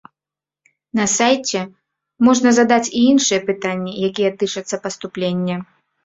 На сайце можна задаць і іншыя пытанні, якія тычацца паступлення.